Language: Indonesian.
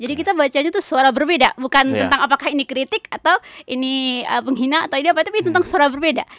kita bacanya itu suara berbeda bukan tentang apakah ini kritik atau ini penghina atau ini apa tapi tentang suara berbeda